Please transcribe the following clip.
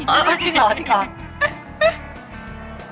เอาจริงหรอ